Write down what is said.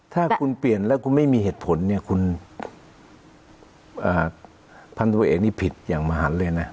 ถ้าคุณเปลี่ยนแล้วคุณไม่มีเหตุผลเนี่ยคุณพันธุเอกนี่ผิดอย่างมหันเลยนะ